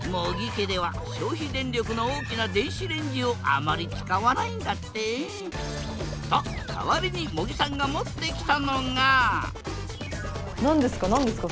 家では消費電力の大きな電子レンジをあまり使わないんだって。と代わりに茂木さんが持ってきたのが何ですか何ですか？